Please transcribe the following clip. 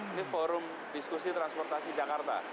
ini forum diskusi transportasi jakarta